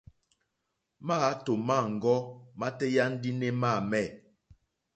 Máàtò mâŋɡɔ́ mátéyà ndí né máǃámɛ̀.